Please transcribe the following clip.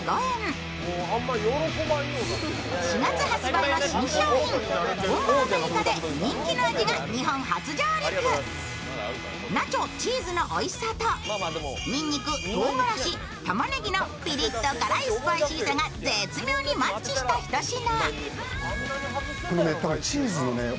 ワイドも薄型ナチョ・チーズのおいしさとにんにく、唐辛子、たまねぎのピリッと辛いスパイシーさが絶妙にマッチしたひと品。